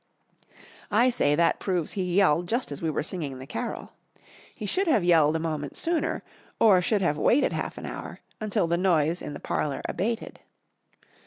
I say that proves he yelled just as we were singing the carol. He should have yelled a moment sooner, or should have waited half an hour, until the noise in the parlour abated.